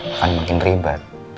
akan makin ribet